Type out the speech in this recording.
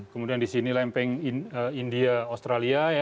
kemudian di sini lempeng india australia